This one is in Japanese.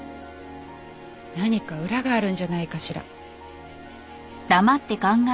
何か裏があるんじゃないかしら。